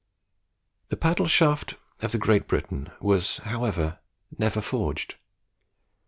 The paddle shaft of the "Great Britain" was, however, never forged.